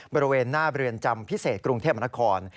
บริเวณหน้าเรือนจำพิเศษกรุงเทพมนคร